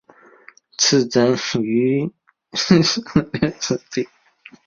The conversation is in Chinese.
赐郑璩素六十匹。